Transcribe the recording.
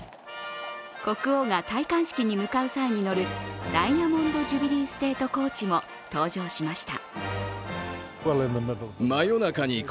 国王が戴冠式に向かう際に乗るダイヤモンド・ジュビリー・ステート・コーチも登場しました。